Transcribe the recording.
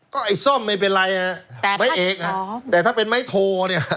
ก็ไอ้ซ้อมไม่เป็นไรนะไอ้ไอ้เอกนะแต่ถ้าเป็นไม้โทเนี่ย